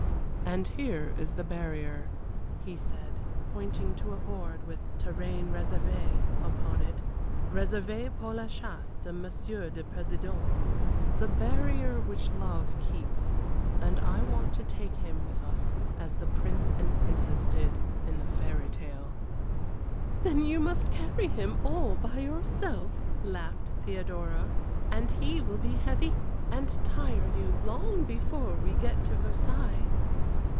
"And here is the barrier," he said, pointing to a board with "Terrain réservé" upon it Réserveé pour la chasse de Monsieur le Président, "The barrier which Love keeps and I want to take him with us as the prince and princess did in the fairy tale." "Then you must carry him all by yourself," laughed Theodora. "And he will be heavy and tire you, long before we get to Versailles."